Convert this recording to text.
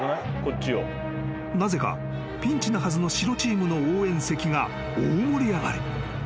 ［なぜかピンチなはずの白チームの応援席が大盛り上がり］